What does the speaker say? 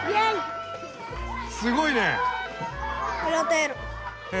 すごいね！へ！